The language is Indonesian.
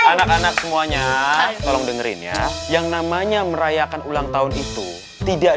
anak anak semuanya tolong dengerin ya yang namanya merayakan ulang tahun itu tidak